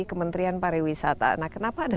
kementerian pariwisata nah kenapa ada